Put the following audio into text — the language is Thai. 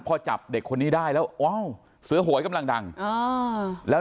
พอจับเด็กคนนี้ได้แล้วอ้าวเสือโหยกำลังดังแล้ว